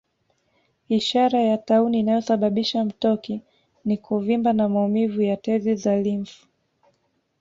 Ishara ya tauni inayosababisha mtoki ni kuvimba na maumivu ya tezi za limfu